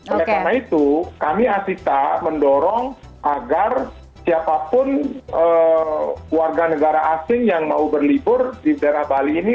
oleh karena itu kami asita mendorong agar siapapun warga negara asing yang mau berlibur di daerah bali ini